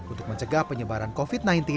untuk mencegah penyebaran covid sembilan belas